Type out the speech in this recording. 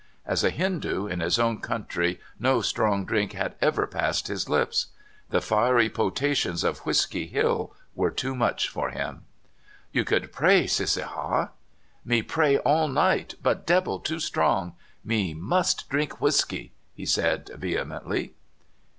As a Hindoo, in his own countr}^ no strong drink had ever passed his lips. The fiery potations of Whisk}? Hill were too much for him. *' You should pray, Cissaha." '* Me pray all night, but debbil too strong — me must drink whisk}^ " he said vehemently.